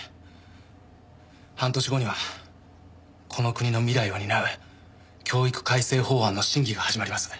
半年後にはこの国の未来を担う教育改正法案の審議が始まります。